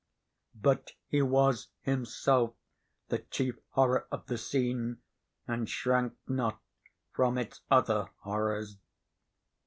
But he was himself the chief horror of the scene, and shrank not from its other horrors.